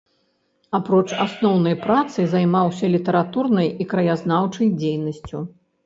Апроч асноўнай працы займаўся літаратурнай і краязнаўчай дзейнасцю.